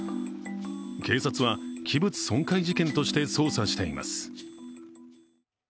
警察は、器物損壊事件として捜査しています。